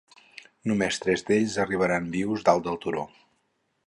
Només tres d'ells arribaran vius dalt del turó.